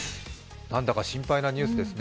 何だか心配なニュースですね。